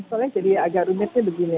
mas soleh jadi agak rumitnya begini